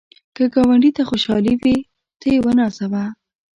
که ګاونډي ته خوشحالي وي، ته یې ونازوه